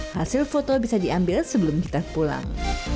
hasil foto bisa diambil sebelum kita pulang